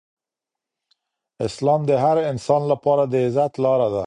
اسلام د هر انسان لپاره د عزت لاره ده.